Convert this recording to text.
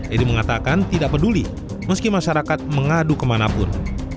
edi mengatakan tidak peduli meski masyarakat mengadu kemanapun